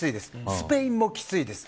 スペインもきついです。